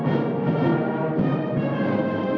lagu kebangsaan indonesia raya